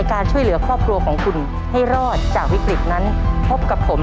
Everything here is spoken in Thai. ขอบคุณครับ